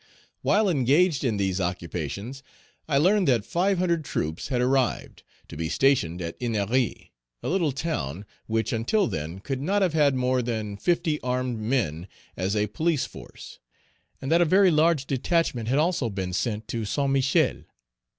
While engaged in these occupations, I learned that 500 troops had arrived, to be stationed at Ennery, a little town, which, until then, could not have had more than 50 armed men as a police force; and that a very large detachment had also been sent to St. Michel.